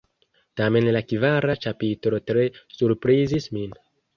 Tamen la kvara ĉapitro tre surprizis min.